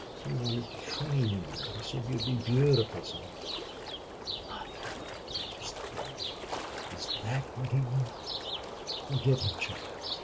He wanted to train you he said you'd be beautiful some day." "Mother!" gasped Allie, "is THAT what he meant?" "Forget him, child.